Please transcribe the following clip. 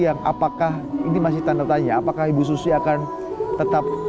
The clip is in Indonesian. yang apakah ini masih tanda tanya apakah ibu susi akan tetap